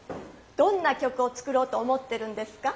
どんな曲を作ろうと思ってるんですか？